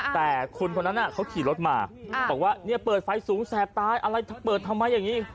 แต่คุณคนนั้นเขาขี่รถมาบอกว่าเนี่ยเปิดไฟสูงแสบตายอะไรเปิดทำไมอย่างนี้